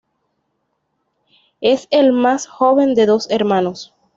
Es el más joven de dos hermanos.